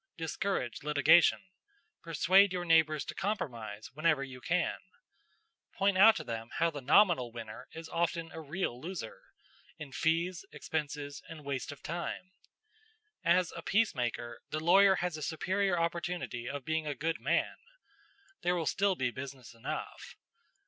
Discourage litigation. Persuade your neighbors to compromise whenever you can. Point out to them how the nominal winner is often a real loser in fees, expenses, and waste of time. As a peacemaker, the lawyer has a superior opportunity of being a good man. There will still be business enough.